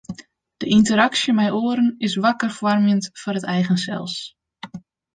De ynteraksje mei oaren is wakker foarmjend foar it eigen sels.